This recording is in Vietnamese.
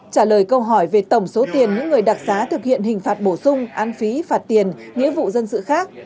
trả lời câu hỏi về tổng số tiền những người đặc xá thực hiện hình phạt bổ sung án phí phạt tiền nghĩa vụ dân sự khác